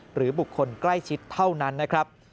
หรือบุคคลใกล้ชิดเท่านั้นนะครับ